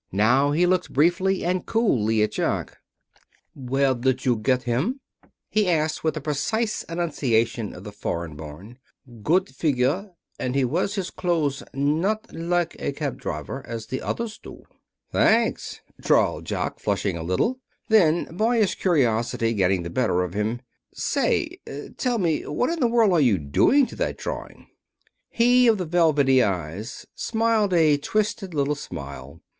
Now he looked briefly and coolly at Jock. "Where did you get him?" he asked, with the precise enunciation of the foreign born. "Good figure. And he wears his clothes not like a cab driver, as the others do." "Thanks," drawled Jock, flushing a little. Then, boyish curiosity getting the better of him, "Say, tell me, what in the world are you doing to that drawing?" He of the velvety eyes smiled a twisted little smile.